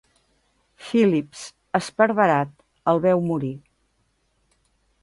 Philips, esparverat, el veu morir.